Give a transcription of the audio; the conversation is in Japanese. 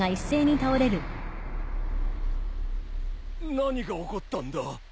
何が起こったんだ？